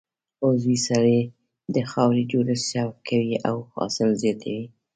عضوي سرې د خاورې جوړښت ښه کوي او حاصل زیاتوي.